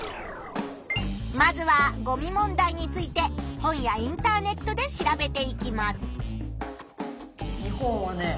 まずはゴミ問題について本やインターネットで調べていきます。